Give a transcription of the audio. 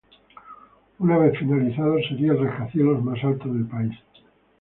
Una vez finalizado, sería el rascacielos más alto del país.